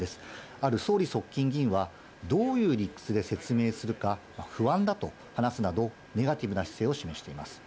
ある総理側近議員は、どういう理屈で説明するか、不安だと話すなど、ネガティブな姿勢を示しています。